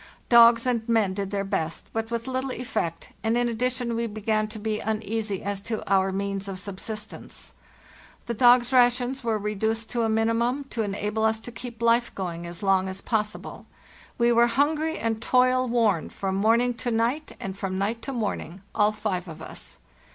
Dogs and men did their best, but with little effect, and in ad dition we began to be uneasy as to our means of sub sistence. The dogs' rations were reduced to a minimum, to enable us to keep life going as long as possible. We were hungry and toil worn from morning to night and from night to morning, all five of us.